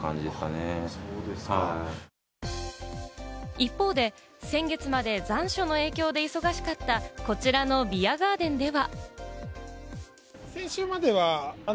一方で先月まで残暑の影響で忙しかった、こちらのビアガーデンでは。